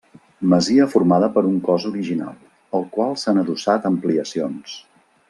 Masia formada per un cos original, al qual s'han adossat ampliacions.